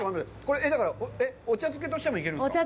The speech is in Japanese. だから、お茶漬けとしてもいいんですか？